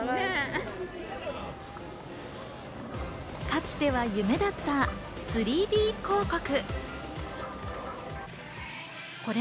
かつては夢だった３Ｄ広告。